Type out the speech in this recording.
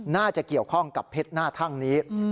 น่าจะเกี่ยวข้องกับเพชรหน้าทั่งนี้